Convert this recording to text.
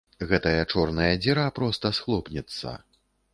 Гэтая чорная дзіра проста схлопнецца.